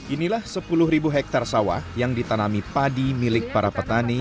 inilah sepuluh hektare sawah yang ditanami padi milik para petani